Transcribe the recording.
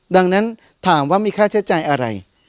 ดังนั้นถามว่ามีค่าใช้จ่ายอะไร